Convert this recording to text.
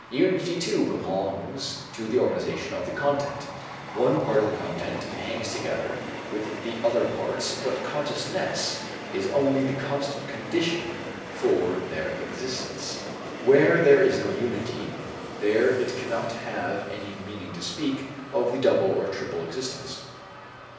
Unity too belongs to the organization of the content. One part of the content hangs together with the other parts but consciousness is only the constant condition for their existence. Where there is no unity, there it cannot have any meaning to speak of the double or triple existence.